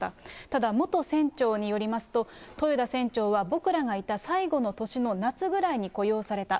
ただ元船長によりますと、豊田船長は僕等がいた最後の年の夏ぐらいに雇用された。